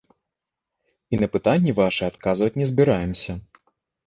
І на пытанні вашыя адказваць не збіраемся.